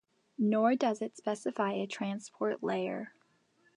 Nor does it specify a transport layer.